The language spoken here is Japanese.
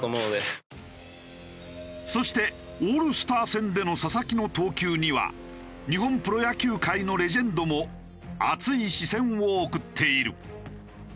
そしてオールスター戦での佐々木の投球には日本プロ野球界のレジェンドも熱い視線を送っている。